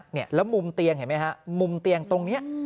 เนี่ยแล้วมุมเตียงเห็นไหมฮะมุมเตียงตรงนี้